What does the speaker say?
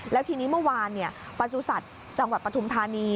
แล้วทีนี้เมื่อวานเนี่ยปสุศัตริย์จังหวัดปทุมธานี